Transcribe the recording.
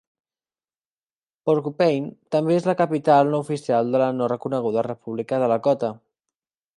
Porcupine també és la capital no oficial de la no reconeguda República de Lakota.